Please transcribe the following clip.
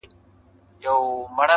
دا د پېړیو مزل مه ورانوی!